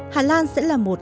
hà lan sẽ là một